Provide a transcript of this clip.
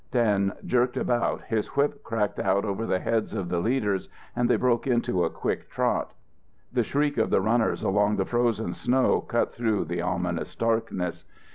Dan jerked about, his whip cracked out over the heads of the leaders and they broke into a quick trot. The shriek of the runners along the frozen snow cut through the ominous darkness.